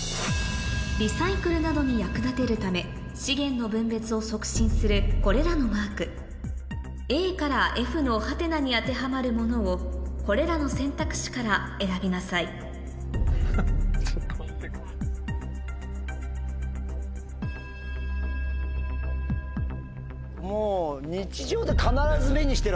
リサイクルなどに役立てるため資源の分別を促進するこれらのマークＡからＦの「？」に当てはまるものをこれらの選択肢から選びなさいもう。